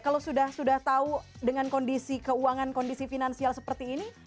kalau sudah tahu dengan kondisi keuangan kondisi finansial seperti ini